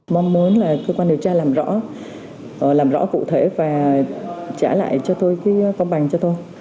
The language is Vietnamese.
mong muốn là cơ quan điều tra làm rõ làm rõ cụ thể và trả lại cho tôi cái công bằng cho tôi